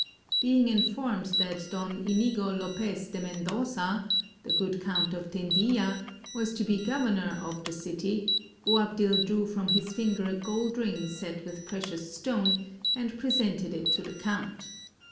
Being informed that Don Inigo Lopez de Mendoza, the good Count of Tendilla, was to be governor of the 463 SPAIN city, Boabdil drew from his finger a gold ring set with a precious stone, and presented it to the count.